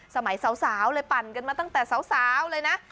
สมัยสาวเลยปั่นกันมาตั้งแต่สาวเลยนะ